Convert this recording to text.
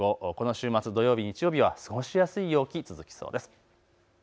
この週末、土曜日、日曜日は過ごしやすい陽気、続きそうです。